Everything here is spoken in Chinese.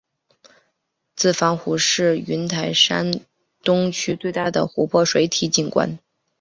子房湖是云台山东区最大的湖泊水体景观。